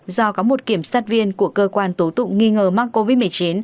do có một kiểm sát viên của cơ quan tố tụng nghi ngờ mắc covid một mươi chín